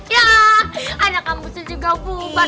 ya anak kampusnya juga bubar